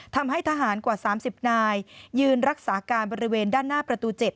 ทำให้ทหารกว่า๓๐นายยืนรักษาการบริเวณด้านหน้าประตู๗